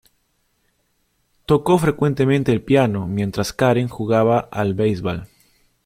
Tocó frecuentemente el piano mientras Karen jugaba al baseball.